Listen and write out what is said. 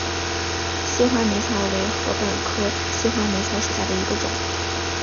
细画眉草为禾本科细画眉草属下的一个种。